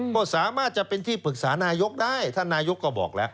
ก็สามารถจะเป็นที่ปรึกษานายกได้ท่านนายกก็บอกแล้ว